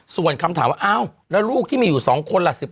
ส่วนคำถามว่าอ้าวแล้วลูกที่มีอยู่๒คนล่ะ